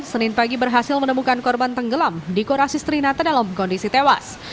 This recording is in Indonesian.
senin pagi berhasil menemukan korban tenggelam di korasis trinata dalam kondisi tewas